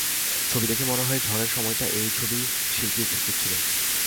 ছবি দেখে মনে হয়, ঝড়ের সময়টায় এই ছবির শিল্পী উপস্থিত ছিল।